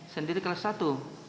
sendiri kelas satu